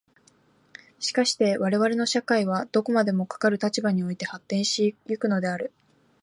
しかして我々の社会はどこまでもかかる立場において発展し行くのである。